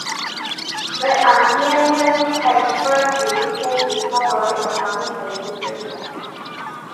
The Athenians had spread the useful discovery among the nations.